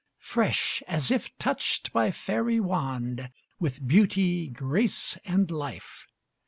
Fresh, as if touched by fairy wand, With beauty, grace, and life.